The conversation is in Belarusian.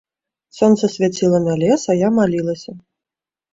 Сонца свяціла на лес, а я малілася.